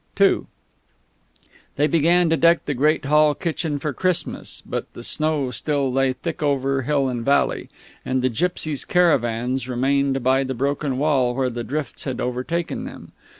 II They began to deck the great hall kitchen for Christmas, but the snow still lay thick over hill and valley, and the gipsies' caravans remained by the broken wall where the drifts had overtaken them.